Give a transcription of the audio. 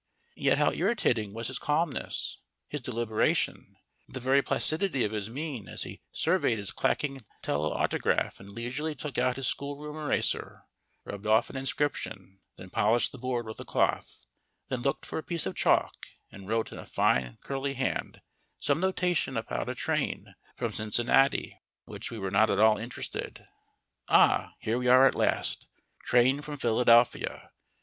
And yet how irritating was his calmness, his deliberation, the very placidity of his mien as he surveyed his clacking telautograph and leisurely took out his schoolroom eraser, rubbed off an inscription, then polished the board with a cloth, then looked for a piece of chalk and wrote in a fine curly hand some notation about a train from Cincinnati in which we were not at all interested. Ah, here we are at last! Train from Philadelphia!